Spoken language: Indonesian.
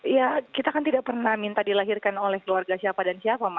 ya kita kan tidak pernah minta dilahirkan oleh keluarga siapa dan siapa mas